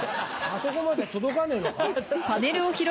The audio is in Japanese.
あそこまで届かねえのか？